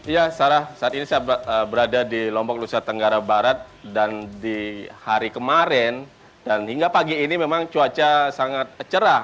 ya sarah saat ini saya berada di lombok lusa tenggara barat dan di hari kemarin dan hingga pagi ini memang cuaca sangat cerah